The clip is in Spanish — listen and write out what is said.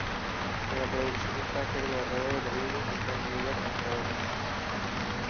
La producción está a cargo de Robert Rodriguez y Frank Miller, entre otros.